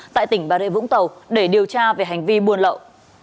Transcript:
tại tỉnh bà rệ vũng tàu để điều tra về hành vi buôn lậu